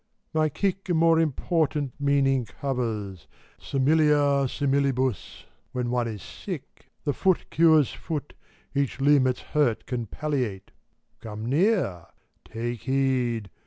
My kick a more important meaning covers : Similia similibus, when one is sick. The foot cures foot, each limb its hurt can palliate ; Gome near ! Take heed !